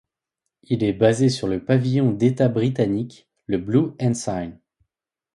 Il est basé sur le pavillon d'État britannique, le Blue Ensign.